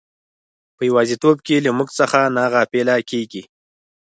په یوازیتوب کې له موږ څخه نه غافله کیږي.